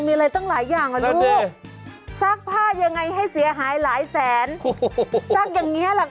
ถูกต้องแล้วถ้าเกิดปล่อยประและสายตาไปแม้แตกนิดเดียว